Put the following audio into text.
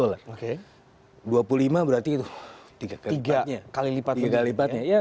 dua puluh lima berarti itu tiga kali lipat